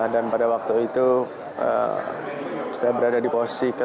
dan pada waktu itu saya berada di posisi ke delapan